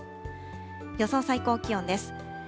予想最高気温です。